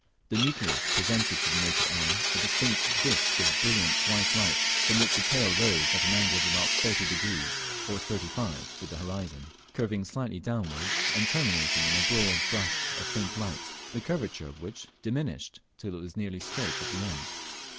The nucleus presented to the naked eye a distinct disc of brilliant white light, from which the tail rose at an angle of about 30° or 35° with the horizon, curving slightly downwards, and terminating in a broad brush of faint light, the curvature of which diminished till it was nearly straight at the end.